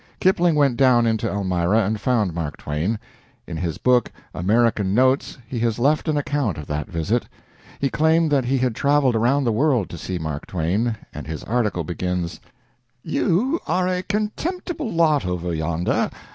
Kipling went down into Elmira and found Mark Twain. In his book "American Notes" he has left an account of that visit. He claimed that he had traveled around the world to see Mark Twain, and his article begins: "You are a contemptible lot over yonder.